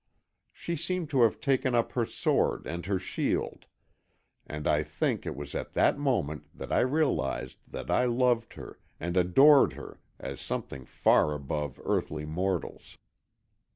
She seemed to have taken up her sword and her shield, and I think it was at that moment that I realized that I loved her and adored her as something far above earthly mortals.